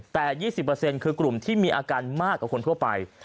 แต่๒๐คือกลุ่มที่มีอาการมากกว่าคนทั่วไป